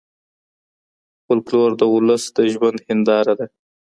فولکلور د ولس د ژوند هنداره ده.